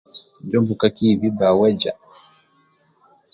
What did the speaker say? njo mbuka kihibhi ba weja